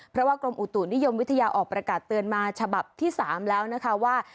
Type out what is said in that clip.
เพราะว่ากรมอุตุนิยมวิทยาออกประกาศเตือนมาฉบับที่๓แล้วนะคะว่า